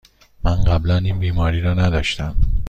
من قبلاً این بیماری را نداشتم.